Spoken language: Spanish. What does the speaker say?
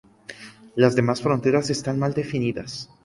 Las demás fronteras están mal definidas.